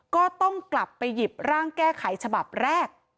ก็ต้องกลับไปหยิบร่างแก้ไขฉบับแรก